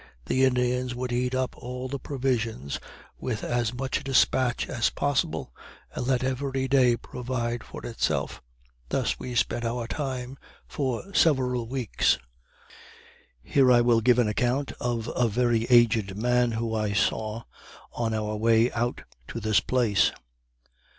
The Indians would eat up all the provisions with as much despatch as possible, and let every day provide for itself. Thus we spent our time for several weeks. Here I will give an account of a very aged man who I saw on our way out to this place.